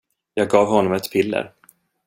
Jag gav honom ett piller.